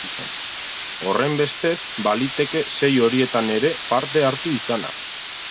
Horrenbestez, baliteke sei horietan ere parte hartu izana.